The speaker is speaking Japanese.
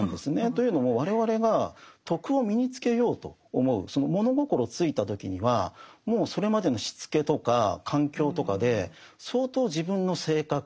というのも我々が「徳」を身につけようと思うその物心ついた時にはもうそれまでのしつけとか環境とかで相当自分の性格